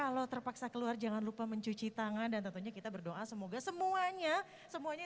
kalau terpaksa keluar jangan lupa mencuci tangan dan tentunya kita berdoa semoga semuanya semuanya